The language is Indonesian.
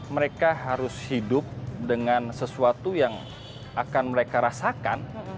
mereka harus hidup dengan sesuatu yang akan mereka rasakan